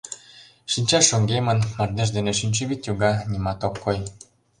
Шинча шоҥгемын, мардеж дене шинчавӱд йога, нимат ок кой.